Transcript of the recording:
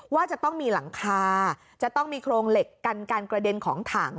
ว่าจะต้องมีหลังคาจะต้องมีโครงเหล็กกันการกระเด็นของถัง